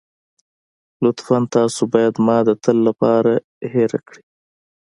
لطفاً تاسو بايد ما د تل لپاره هېره کړئ.